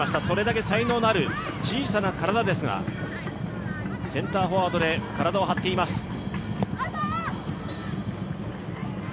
それだけ才能のある小さな体ですがセンターフォワードで体を張っています。